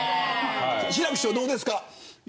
志らく師匠はどうですか。